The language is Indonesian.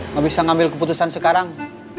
gak bisa ngambil keputusan sekarang